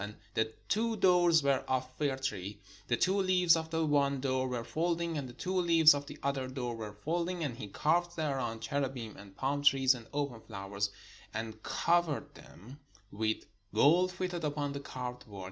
And the two doors were of fir tree : the two leaves of the one door were folding, and the two leaves of the other door were folding. And he carved thereon cherubim and palm trees and open flowers: and covered them with 566 THE STORY OF KING SOLOMON gold fitted upon the carved work.